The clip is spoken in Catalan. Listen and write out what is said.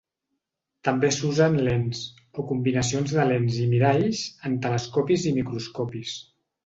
També s'usen lents, o combinacions de lents i miralls, en telescopis i microscopis.